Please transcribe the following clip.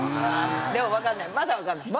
でもわかんないまだわからないです。